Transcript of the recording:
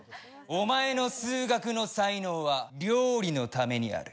お前の数学の才能は料理のためにある。